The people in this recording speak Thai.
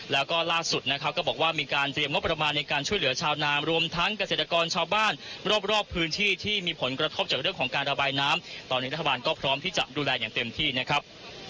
แล้วก็ล่าสุดนะครับก็บอกว่ามีการเตรียมงบประมาณในการช่วยเหลือชาวนามรวมทั้งเกษตรกรชาวบ้านรอบพื้นที่ที่มีผลกระทบจากเรื่องของการระบายน้ำตอนนี้รัฐบาลก็พร้อมที่จะดูแลอย่างเต็มที่นะครับ